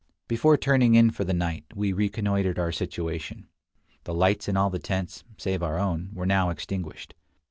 Before turning in for the night, we reconnoitered our situation. The lights in all the tents, save our own, were now extinguished.